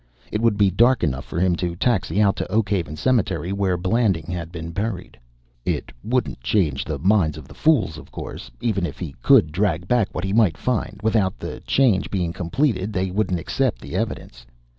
It would be dark enough for him to taxi out to Oakhaven Cemetery, where Blanding had been buried. It wouldn't change the minds of the fools, of course. Even if he could drag back what he might find, without the change being completed, they wouldn't accept the evidence.